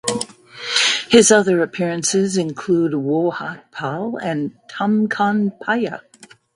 His other appearances include "Woh Aik Pal" and "Tum Kon Piya".